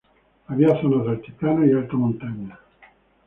Habita zonas de altiplano y alta montaña.